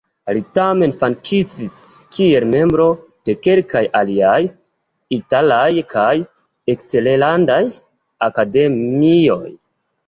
Li tamen funkciis kiel membro de kelkaj aliaj italaj kaj eksterlandaj akademioj.